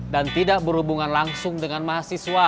dan tidak berhubungan langsung dengan mahasiswa